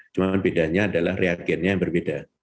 cuma bedanya adalah reagennya yang berbeda